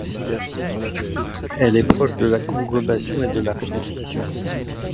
Elle est proche de la conglobation et de la répétition.